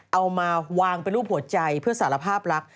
เอามาวางเป็นรูปหัวใจเพื่อสารภาพลักษ